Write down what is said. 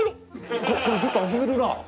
これちょっと遊べるな。